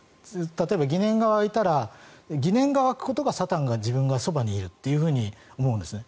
例えば疑念が湧いたら疑念が湧くことがサタンが自分がそばにいると思うんですね。